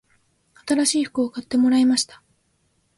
新しい服を買ってもらいました